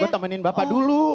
gue temenin bapak dulu